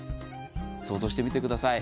想像してみてください。